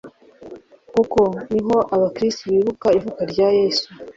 kuko ni ho abakristu bibuka ivuka rya Yezu